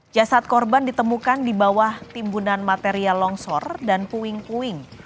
jasad korban ditemukan di bawah timbunan material longsor dan puing puing